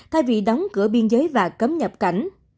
thay vì đóng cửa biên giới và cấm nhập cảnh